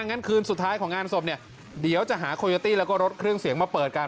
งั้นคืนสุดท้ายของงานศพเนี่ยเดี๋ยวจะหาโคโยตี้แล้วก็รถเครื่องเสียงมาเปิดกัน